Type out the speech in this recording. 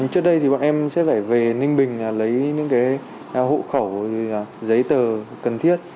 trước đây thì bọn em sẽ phải về ninh bình lấy những hộ khẩu giấy tờ cần thiết